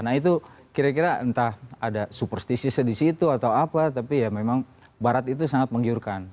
nah itu kira kira entah ada superstisiesnya di situ atau apa tapi ya memang barat itu sangat menggiurkan